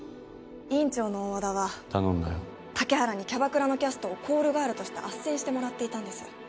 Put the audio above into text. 院長の大和田は竹原にキャバクラのキャストをコールガールとしてあっせんしてもらっていたんです